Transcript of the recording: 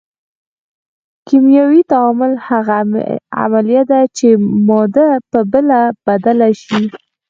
کیمیاوي تعامل هغه عملیه ده چې ماده په بله بدله شي.